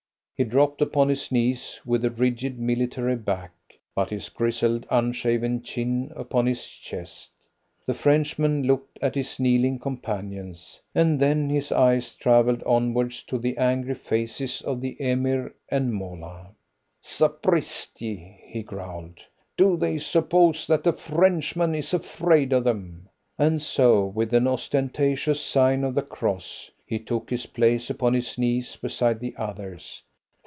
He dropped upon his knees with a rigid, military back, but his grizzled, unshaven chin upon his chest. The Frenchman looked at his kneeling companions, and then his eyes travelled onwards to the angry faces of the Emir and Moolah. "Sapristi!" he growled. "Do they suppose that a Frenchman is afraid of them?" and so, with an ostentatious sign of the cross, he took his place upon his knees beside the others.